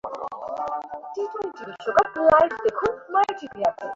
তার বুকের উপর অনেকক্ষণ ধরে হাত রাখলাম।